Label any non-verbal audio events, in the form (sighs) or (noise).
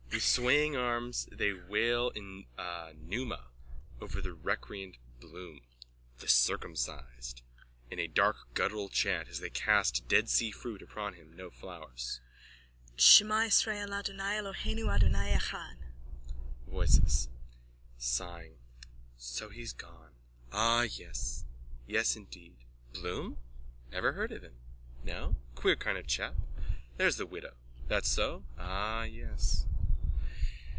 With swaying arms they wail in pneuma over the recreant Bloom.)_ THE CIRCUMCISED: (In dark guttural chant as they cast dead sea fruit upon him, no flowers.) Shema Israel Adonai Elohenu Adonai Echad. VOICES: (sighs) So he's gone. Ah yes. Yes, indeed. Bloom? Never heard of him. No? Queer kind of chap. There's the widow. That so? Ah, yes.